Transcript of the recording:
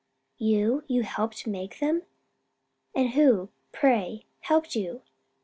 "You? you helped make them? and who, pray, helped you?